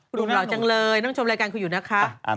พ่านมาจังเลยนกชมรายการคุยอยู่นะครับ